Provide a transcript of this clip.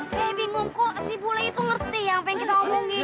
saya bingung kok si bule itu ngerti yang pengen kita omongin ya